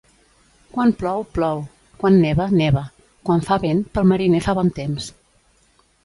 Quan plou, plou; quan neva, neva; quan fa vent, pel mariner fa bon temps.